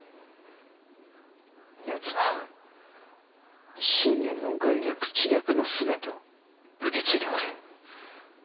やつは信玄の軍略知略の全てを受け継いでおる。